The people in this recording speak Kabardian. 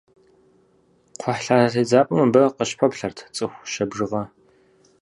Кхъухьлъатэ тедзапӏэм абы къыщыпэплъэрт цӏыху щэ бжыгъэ.